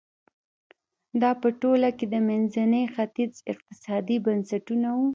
دا په ټوله کې د منځني ختیځ اقتصادي بنسټونه وو.